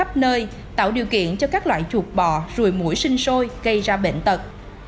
các loại vương vại khá khắp nơi tạo điều kiện cho các loại chuột bò rùi mũi sinh sôi gây ra bệnh tật